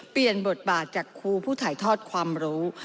เปลี่ยนบทบาทจากครูผู้ถ่ายทอดความรู้